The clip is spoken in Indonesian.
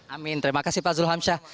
amin terima kasih pak zulham syah